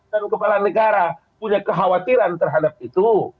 dan kepala negara punya kekhawatiran terhadap itu